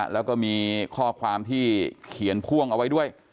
แล้วก็มีข้อความที่เขียนพ่วงเอาไว้ด้วย